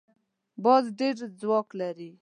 باز ډېر ځواک لري